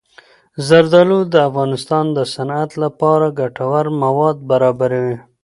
زردالو د افغانستان د صنعت لپاره ګټور مواد برابروي.